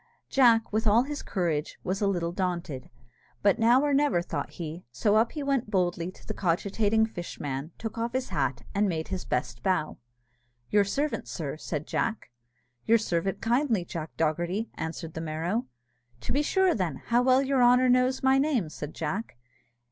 Jack, with all his courage, was a little daunted; but now or never, thought he; so up he went boldly to the cogitating fishman, took off his hat, and made his best bow. "Your servant, sir," said Jack. "Your servant, kindly, Jack Dogherty," answered the Merrow. "To be sure, then, how well your honour knows my name!" said Jack.